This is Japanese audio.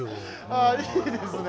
あいいですね。